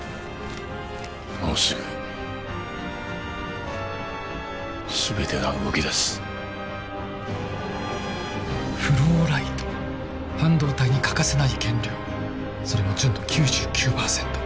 もうすぐ全てが動きだすフローライト半導体に欠かせない原料それも純度９９％